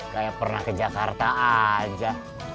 kayak pernah ke jakarta aja